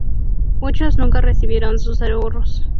Muchos nunca recibieron sus ahorros.